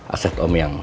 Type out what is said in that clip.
aset om yang